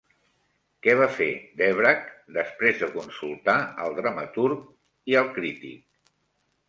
Què va fer Dvořák després de consultar al dramaturg i al crític?